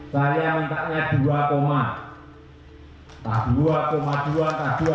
saya berikan saran mereka saya yang minta dua dua atau dua lima